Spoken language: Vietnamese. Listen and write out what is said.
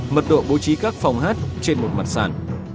mật độ bố trí các phòng hát trên một mặt sàn